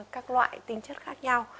các loại tinh chất khác nhau